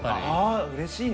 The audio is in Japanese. うれしいね。